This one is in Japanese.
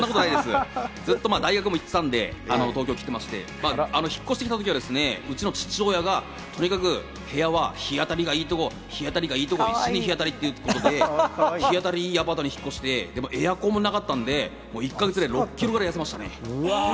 大学も行っていたんで、東京に来てまして、引っ越してきたときはうちの父親がとにかく部屋は日当たりがいいところ、日当たりということで日当たりいいアパートに引っ越してエアコンもなかったので１か月で６キロぐらいやせましたね。